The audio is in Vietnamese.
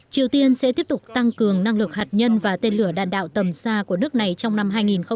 triều tiên sẽ tiếp tục tăng cường năng lực hạt nhân và tên lửa đạn đạo tầm xa của nước này trong năm hai nghìn hai mươi